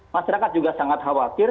masyarakat juga sangat khawatir